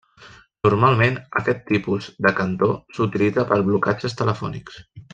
Normalment aquest tipus de cantó s'utilitza per blocatges telefònics.